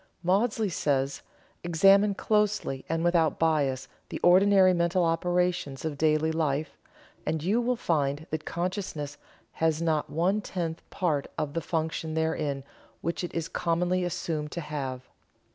Maudsley says: "Examine closely and without bias the ordinary mental operations of daily life, and you will find that consciousness has not one tenth part of the function therein which it is commonly assumed to have.